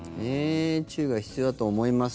注意が必要だと思います。